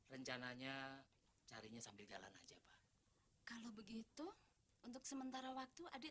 rencananya carinya sambil jalan aja pak kalau begitu untuk sementara waktu adik